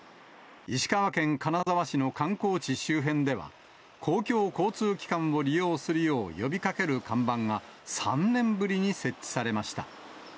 石川県金沢市の観光地周辺では、公共交通機関を利用するよう呼びかける看板が、３年ぶりに設置されました。